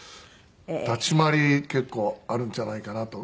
立ち回り結構あるんじゃないかなと。